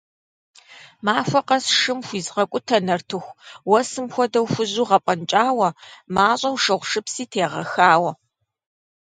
Махуэ къэс шым хуизгъэкӀутэ нартыху, уэсым хуэдэу хужьу гъэпӀэнкӀауэ, мащӀэу шыгъушыпси тегъэхауэ.